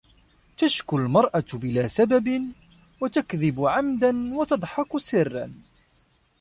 تشكو المرأة بلا سبب، وتكذب عمداً وتضحك سراً.